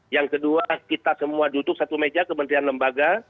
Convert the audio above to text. yang kedua kita semua duduk satu meja kementerian lembaga